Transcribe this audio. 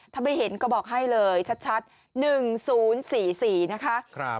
ถ้าไม่เห็นก็บอกให้เลยชัด๑๐๔๔นะคะ